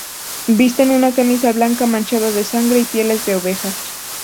Visten una camisa blanca manchada de sangre, y pieles de oveja.